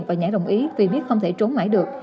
và nhảy đồng ý vì biết không thể trốn mãi được